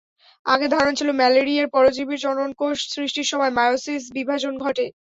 আগে ধারণা ছিল ম্যালেরিয়ার পরজীবীর জননকোষ সৃষ্টির সময় মায়োসিস বিভাজন ঘটে।